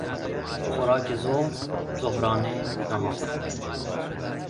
خوراک ظهر، ظهرانه، نهار